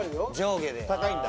高いんだ。